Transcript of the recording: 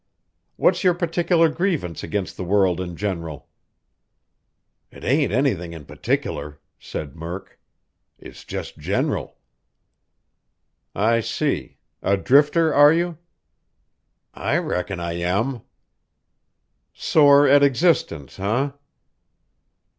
"What's your particular grievance against the world in general?" "It ain't anything in particular," said Murk. "It's just general." "I see. A drifter, are you?" "I reckon I am." "Sore at existence, eh?"